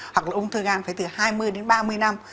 hoặc là ung thư gan phải từ hai mươi đến ba mươi năm